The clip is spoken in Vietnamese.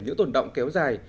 những tổn động kéo dài